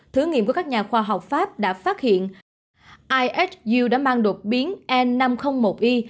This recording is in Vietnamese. thử nghiệm của các nhà khoa học pháp đã phát hiện isu đã mang đột biến n năm trăm linh một i